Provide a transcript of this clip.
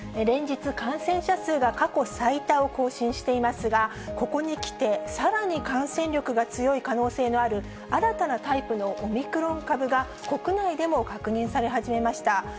連日、感染者数が過去最多を更新していますが、ここにきてさらに感染力が強い可能性のある、新たなタイプのオミクロン株が、国内でも確認され始めました。